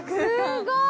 すごーい！